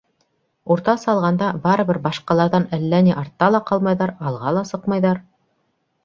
Уртаса алғанда барыбер башҡаларҙан әллә ни артта ла ҡалмайҙар, алға ла сыҡмайҙар.